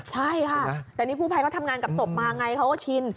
ใช่ค่ะแต่นี่กู้ภัยเขาทำงานกับศพมาไงเขาก็ชิน